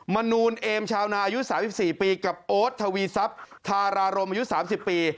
มนูลเอมชาวนาอายุ๓๔ปีกับโอ๊ตทวีทรัพย์ทารารมอายุ๓๐ปี